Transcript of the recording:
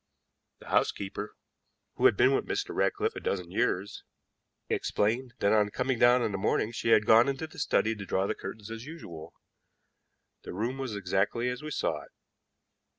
The housekeeper, who had been with Mr. Ratcliffe a dozen years, explained that, on coming down that morning, she had gone into the study to draw the curtains as usual. The room was exactly as we saw it.